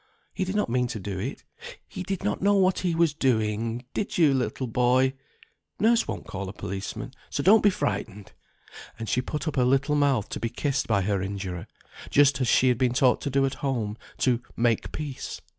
He did not mean to do it. He did not know what he was doing, did you, little boy? Nurse won't call a policeman, so don't be frightened." And she put up her little mouth to be kissed by her injurer, just as she had been taught to do at home to "make peace."